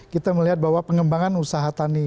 kita melihat bahwa pengembangan usaha tani